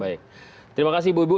baik terima kasih ibu ibu